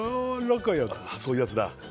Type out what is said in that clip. そういうやつだ